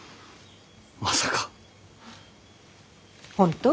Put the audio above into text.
まさか。